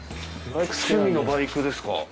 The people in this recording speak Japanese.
趣味のバイクですか。